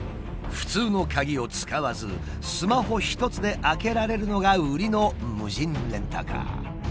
普通のカギを使わずスマホ一つで開けられるのが売りの無人レンタカー。